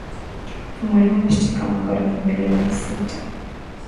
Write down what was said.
funguliwa mashtaka mwaka elfu mbili na sita